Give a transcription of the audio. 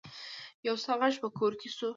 يو څه غږ په کور کې شو.